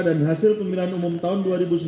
dan hasil pemilihan umum tahun dua ribu sembilan belas